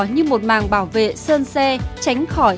như một màng bỏng